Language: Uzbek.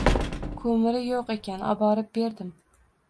Ko‘miri yo‘q ekan, oborib berdim.